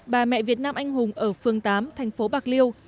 bà mẹ việt nam anh hùng ở phường tám thành phố bạc liêu